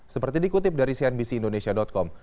seperti dikutip dari cnbc indonesia com